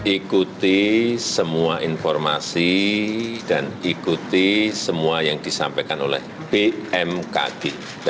ikuti semua informasi dan ikuti semua yang disampaikan oleh bmkg